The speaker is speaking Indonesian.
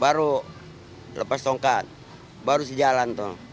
baru lepas tongkat baru si jalan toh